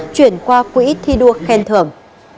chuyển qua quỹ thi đua khen thưởng